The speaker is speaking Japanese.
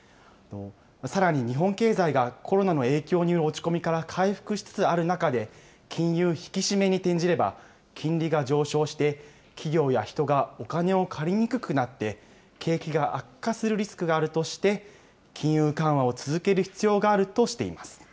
さらに日本経済がコロナの影響による落ち込みから回復しつつある中で、金融引き締めに転じれば、金利が上昇して、企業や人がお金を借りにくくなって、景気が悪化するリスクがあるとして、金融緩和を続ける必要があるとしています。